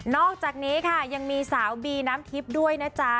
อกจากนี้ค่ะยังมีสาวบีน้ำทิพย์ด้วยนะจ๊ะ